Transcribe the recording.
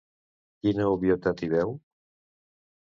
Quina obvietat hi veu?